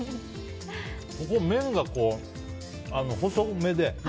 ここ、麺が細めで。